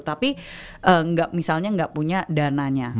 tapi misalnya nggak punya dananya